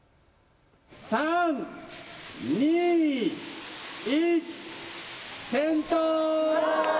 ３、２、１、点灯！